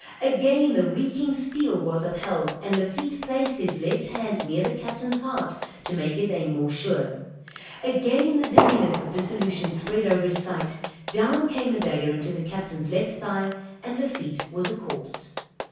Again the reeking steel was upheld, and Lafitte placed his left hand near the Captain's heart, to make his aim more sure; again the dizziness of dissolution spread over his sight, down came the dagger into the captain's left thigh and Lafitte was a corpse.